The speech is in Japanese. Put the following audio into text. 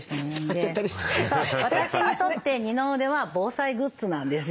私にとって二の腕は防災グッズなんですよ。